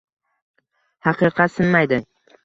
Haqiqat sinmaydi!